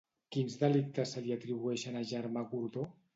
Quins delictes se li atribueixen a Germà Gordó?